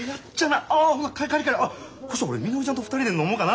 ほしたら俺みのりちゃんと二人で飲もうかな。